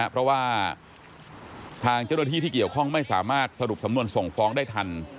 เพราะว่าทางเจ้าหน้าที่ที่เกี่ยวข้องไม่สามารถสรุปสำนวนส่งฟ้องได้ทัน